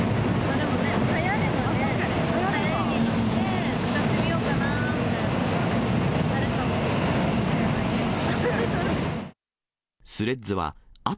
でもね、はやればね、はやりに乗って、使ってみようかなってなるかもしれないけど。